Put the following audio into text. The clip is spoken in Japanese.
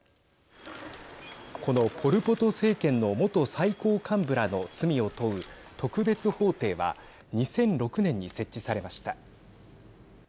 このポル・ポト政権の元最高幹部らの罪を問う特別法廷は２００６年に設置されました。